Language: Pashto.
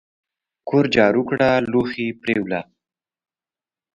کور جارو کړه لوښي پریوله !